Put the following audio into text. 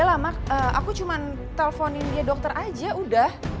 aku cuma teleponin dia dokter aja udah